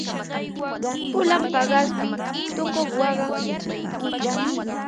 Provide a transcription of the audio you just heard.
Pulan paqasmi tuku waqan wayquchaw.